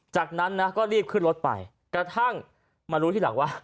จากนั้นนะก็รีบขึ้นรถไปกระทั่งมารู้ทีหลังว่า